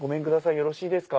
よろしいですか？